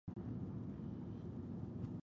دوی به د څپو په اړه پوښتنه کړې وي.